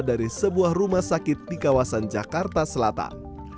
dari sebuah rumah sakit di kawasan jakarta selatan